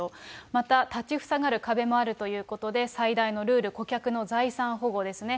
また立ち塞がる壁もあるということで、最大のルール、顧客の財産保護ですね。